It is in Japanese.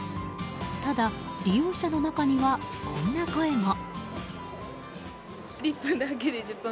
ただ、利用者の中にはこんな声も。